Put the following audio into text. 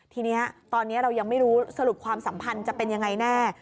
ทีนี้ตอนนี้เรายังไม่รู้สรุปความสัมพันธ์จะเป็นยังไงแน่